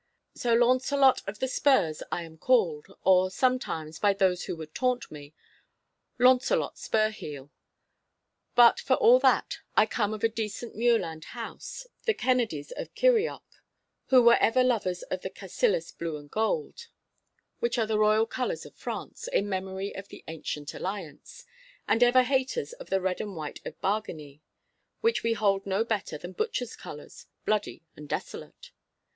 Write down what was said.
So 'Launcelot of the Spurs' I am called, or sometimes, by those who would taunt me, 'Launcelot Spurheel.' But for all that I come of a decent muirland house, the Kennedies of Kirrieoch, who were ever lovers of the Cassillis blue and gold—which are the royal colours of France, in memory of the ancient alliance—and ever haters of the red and white of Bargany, which we hold no better than butchers' colours, bloody and desolate.